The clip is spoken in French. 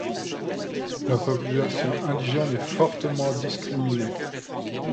La population indigène est fortement discriminée.